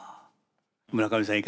村上さん